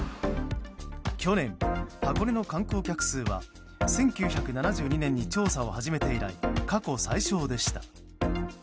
去年、箱根の観光客数は１９７２年に調査を始めて以来過去最少でした。